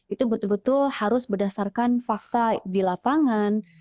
itu betul betul harus berdasarkan fakta di lapangan